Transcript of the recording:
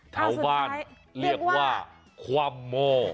เท้าบ้านเรียกว่าความหม้อ